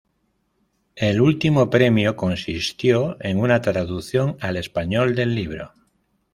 El último premio consistió en una traducción al español del libro.